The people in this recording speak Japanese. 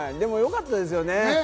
よかったですよね。